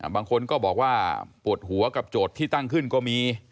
บางคนก็บอกว่าปวดหัวกับโจทย์ที่ตั้งขึ้นก็มี